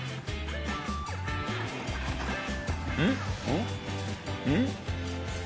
うん？